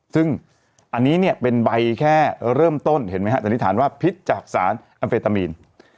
ซึ่งอันนี้เนี่ยเป็นใบแค่เริ่มต้นเห็นไหมฮะสันนิษฐานว่าพิษจากสารแอมเฟตามีน